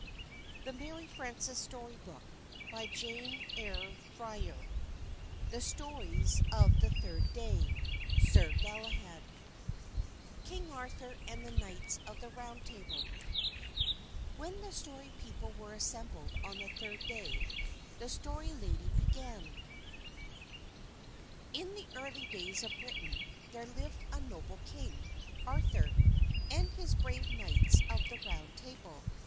HOW SIR LAUNFAL ACHIEVED THE HOLY GRAIL. THE STORIES OF THE THIRD DAY XXV SIR GALAHAD King Arthur and the Knights of the Round Table WHEN the Story People were assembled on the third day, the Story Lady began: In the early days of Britain there lived a noble king, Arthur, and his brave knights of the Round Table.